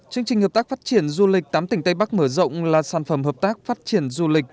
chương trình hợp tác phát triển du lịch tám tỉnh tây bắc mở rộng là sản phẩm hợp tác phát triển du lịch